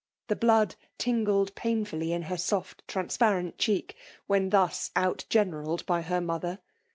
The blood tingled painfully in her scrft transparent cheeli^ when dius out generalled by her mother.